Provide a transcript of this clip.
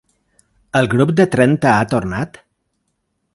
El grup de trenta ha tornat?